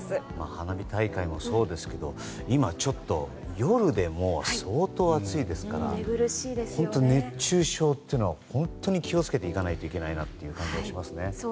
花火大会もそうですが今ちょっと夜でも相当暑いですから熱中症というのは本当に気を付けていかないといけないなと思いますね。